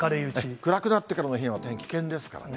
暗くなってからの避難、大変危険ですからね。